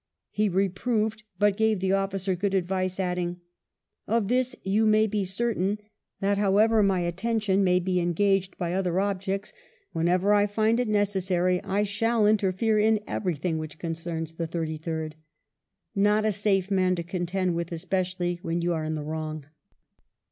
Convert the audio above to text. He reproved, but gave the officer good advice, adding, " Of this you may be certain, that however my attention 30 WELLINGTON c6ap. may be engaged by other objects, whenever I find it necessary I shall interfere in everything which concerns the Thirty third." Not a safe man to contend with, especially when you are in the wrong.